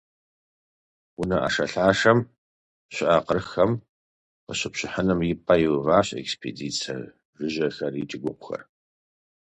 Унэ ӏэшэлъашэм щыӏэ къырхэм къыщыпщыхьыным и пӏэ къиуващ экспедицэ жыжьэхэр икӏи гугъухэр.